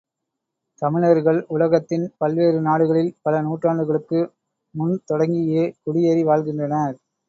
தமிழர்கள் உலகத்தின் பல்வேறு நாடுகளில் பல நூற்றாண்டுகளுக்கு முன்தொடங்கியே குடியேறி வாழ்கின்றனர்!